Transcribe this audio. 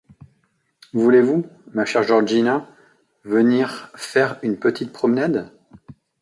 Voulez-vous, ma chère Georgina, venir faire une petite promenade ?